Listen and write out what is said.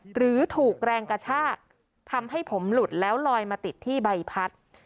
หรือถูกแรงกระชากทำให้ผมหลุดแล้วลอยมาติดที่ใบพัด